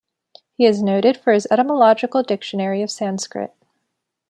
He is noted for his etymological dictionary of Sanskrit.